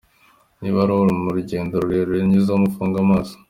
Niba uri mu rugendo rurerure nyuzamo ufunge amaso.